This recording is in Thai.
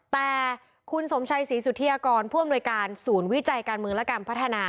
แต่คุณสมชัยศรีสุธิยากรผู้อำนวยการศูนย์วิจัยการเมืองและการพัฒนา